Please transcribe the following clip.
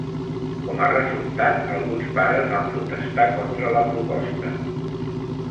Com a resultat, alguns pares van protestar contra la proposta.